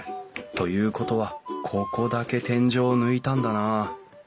ということはここだけ天井を抜いたんだな。